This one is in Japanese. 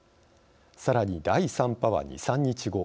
さらに第３波は２３日後。